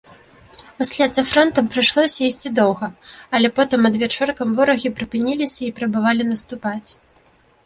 Услед за фронтам прыйшлося ісці доўга, але потым адвячоркам ворагі прыпыніліся і прабавалі наступаць.